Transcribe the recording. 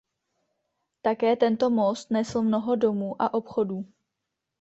Také tento most nesl mnoho domů a obchodů.